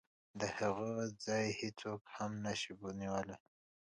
د هغې ځای هېڅوک هم نشي نیولی.